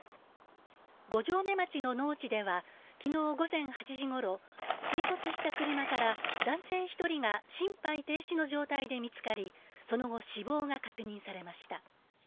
五城目町の農地では昨日午前８時ごろ水没した車から男性１人が心肺停止の状態で見つかり、その後、死亡が確認されました。